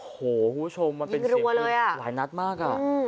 โอ้โหคุณผู้ชมมันเป็นเสียงปืนหลายนัดมาก